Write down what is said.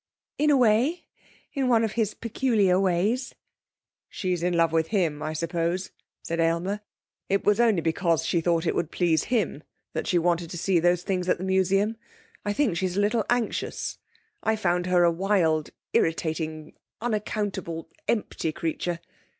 'In a way in one of his peculiar ways.' 'She's in love with him, I suppose,' said Aylmer. 'It was only because she thought it would please him that she wanted to see those things at the museum. I think she's a little anxious. I found her a wild, irritating, unaccountable, empty creature.